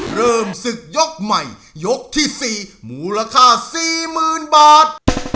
เริ่มศึกยกใหม่ยกที่สี่หมูราคาสี่หมื่นบาท